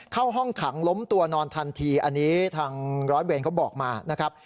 เข้าห้องขังล้มตัวนอนทันทีอันนี้ทางร้อยเวรเขาบอกมานะครับ